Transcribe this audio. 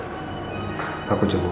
ini karena aku lagi sulit